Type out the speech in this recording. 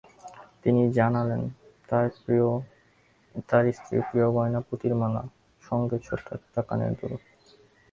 তিনি জানালেন, তাঁর স্ত্রীর প্রিয় গয়না পুঁতিরমালা, সঙ্গে ছোট্ট একটা কানের দুল।